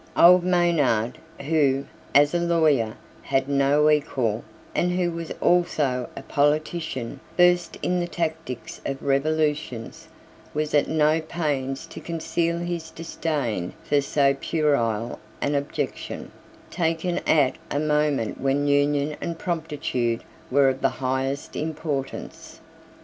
Old Maynard, who, as a lawyer, had no equal, and who was also a politician versed in the tactics of revolutions, was at no pains to conceal his disdain for so puerile an objection, taken at a moment when union and promptitude were of the highest importance.